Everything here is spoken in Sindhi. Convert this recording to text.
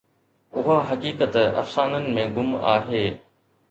اها حقيقت افسانن ۾ گم آهي.